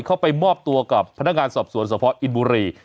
เข้าไปมอบตัวกับพนักงานสอบสวนสภอินบุรี